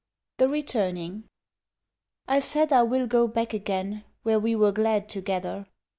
THE RETURNING I said I will go back again where we Were glad together.